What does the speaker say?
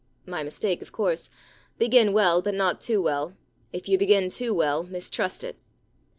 My mistake, of course. Begin well, but not too well. If you begin too well, mistrust it.